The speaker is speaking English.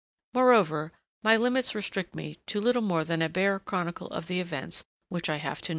Moreover, my limits restrict me to little more than a bare chronicle of the events which I have to notice.